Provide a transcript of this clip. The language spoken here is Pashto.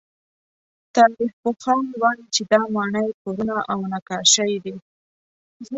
تاریخپوهان وایي چې دا ماڼۍ، کورونه او نقاشۍ دي.